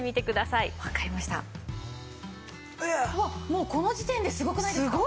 もうこの時点ですごくないですか？